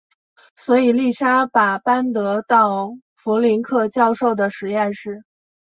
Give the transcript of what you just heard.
所以丽莎把班德到弗林克教授的实验室。